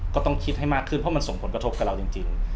ก็ต้องคิดให้มากขึ้นเพราะมันส่งผลกระทบกับเราจริง